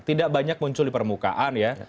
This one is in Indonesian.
tidak banyak muncul di permukaan ya